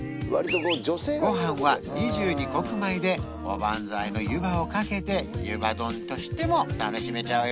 ご飯は２２穀米でおばんざいの湯葉をかけて湯葉丼としても楽しめちゃうよ